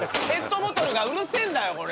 ペットボトルがうるせえんだよ